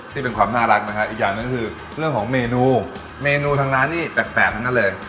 นี่เป็นความน่ารักนะฮะอีกอย่างหนึ่งก็คือเรื่องของเมนูเมนูทางร้านนี่แปลกทั้งนั้นเลย